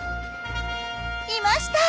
いました！